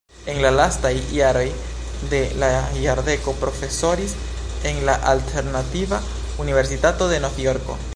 En la lastaj jaroj de la jardeko profesoris en la Alternativa Universitato de Novjorko.